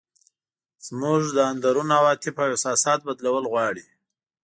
زموږ د اندرون عواطف او احساسات بدلول غواړي.